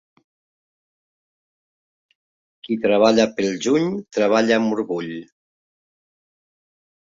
Qui treballa pel juny, treballa amb orgull.